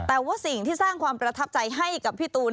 แต่ว่าสิ่งที่สร้างความประทับใจให้กับพี่ตูน